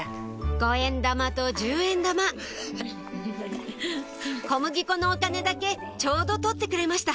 五円玉と十円玉小麦粉のお金だけちょうど取ってくれました